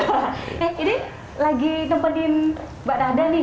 eh ini lagi nempelin mbak nahda nih